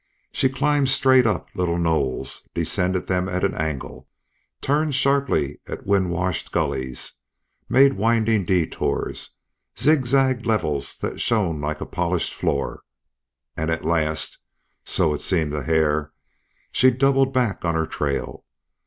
She climbed straight up little knolls, descended them at an angle, turned sharply at wind washed gullies, made winding detours, zigzagged levels that shone like a polished floor; and at last (so it seemed to Hare) she doubled back on her trail.